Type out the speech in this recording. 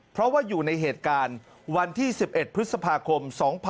เพราะว่าอยู่ในเหตุการณ์วันที่๑๑พฤษภาคม๒๕๖๒